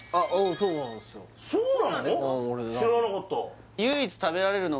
そうなの！？